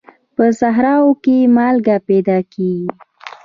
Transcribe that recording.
په صحراوو کې مالګه پیدا کېږي.